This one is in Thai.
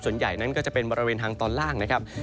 ส่วนใหญ่นั้นก็จะเป็นบริเวณทางตอนล่างนะครับ